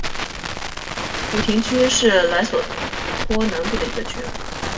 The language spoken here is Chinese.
古廷区是莱索托南部的一个区。